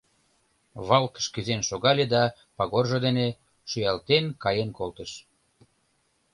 Валкыш кӱзен шогале да пагоржо дене шӱалтен каен колтыш.